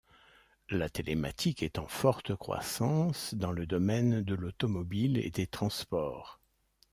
La télématique est en forte croissance dans le domaine de l'automobile et des transports.